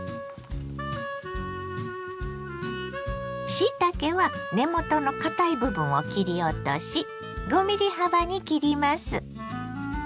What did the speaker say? しいたけは根元の堅い部分を切り落とし５ｍｍ幅に切ります。